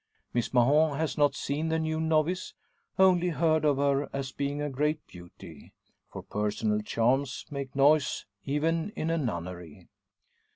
Miss Mahon has not seen the new novice; only heard of her as being a great beauty; for personal charms make noise even in a nunnery.